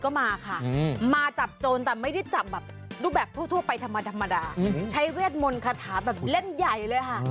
ก็มาค่ะมาจับโจรแต่ไม่ได้จับแบบรูปแบบทั่วไปธรรมดาใช้เวทมนต์คาถาแบบเล่นใหญ่เลยค่ะ